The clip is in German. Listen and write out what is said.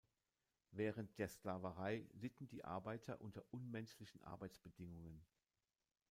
Während der Sklaverei litten die Arbeiter unter unmenschlichen Arbeitsbedingungen.